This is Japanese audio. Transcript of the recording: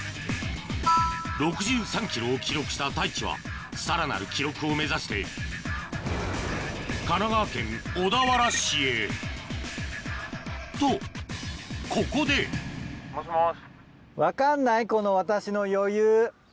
６３ｋｍを記録した太一はさらなる記録を目指して神奈川県小田原市へとここで６１ｋｍ！